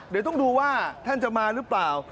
เดี๋ยวต้องดูว่าท่านจะมาหรือเปล่า